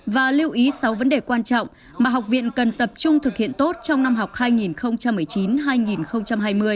và lưu ý sáu vấn đề quan trọng mà học viện cần tập trung thực hiện tốt trong năm học hai nghìn một mươi chín hai nghìn hai mươi